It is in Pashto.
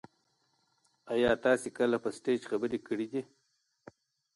ایا تاسي کله په سټیج خبرې کړي دي؟